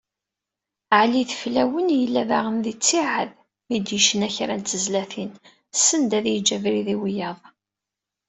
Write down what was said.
Ɛli Ideflawen, yella daɣen di ttiɛad mi d-yecna kra n tezlatin, send ad yeǧǧ abrid i wiyaḍ.